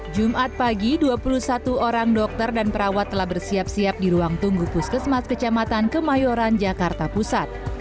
jumat pagi dua puluh satu orang dokter dan perawat telah bersiap siap di ruang tunggu puskesmas kecamatan kemayoran jakarta pusat